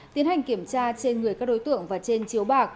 tiến hành kiểm tra trên người các đối tượng và trên chiếu bạc